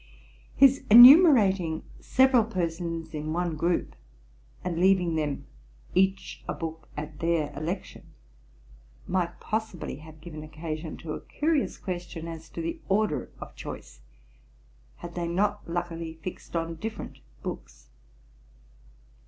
His enumerating several persons in one group, and leaving them 'each a book at their election,' might possibly have given occasion to a curious question as to the order of choice, had they not luckily fixed on different books.